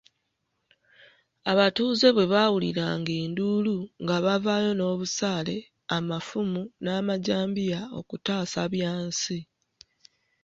Abatuuze bwe bawuliranga enduulu, nga bavaayo n'obusaale, amafumu n'amajambiya okutaasa Byansi.